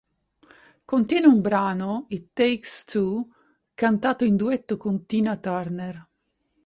Contiene un brano, "It Takes Two", cantato in duetto con Tina Turner.